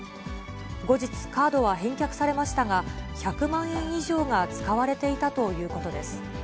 後日、カードは返却されましたが、１００万円以上が使われていたということです。